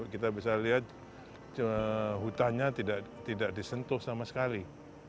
kita bisa lihat hutannya tidak disentuh sama sekali